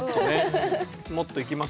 もっといきます？